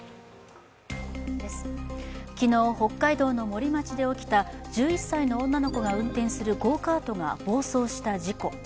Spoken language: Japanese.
昨日、北海道の森町で起きた１１歳の女の子が運転するゴーカートが暴走した事故。